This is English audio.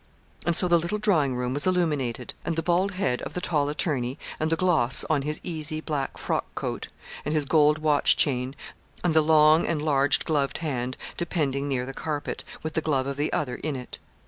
And so the little drawing room was illuminated; and the bald head of the tall attorney, and the gloss on his easy, black frock coat, and his gold watch chain, and the long and large gloved hand, depending near the carpet, with the glove of the other in it.